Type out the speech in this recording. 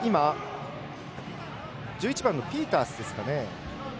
１１番のピータースですか。